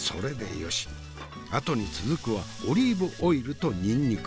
あとに続くはオリーブオイルとにんにく。